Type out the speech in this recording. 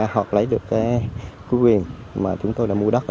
hoặc lấy được cái quyền mà chúng tôi đã mua đất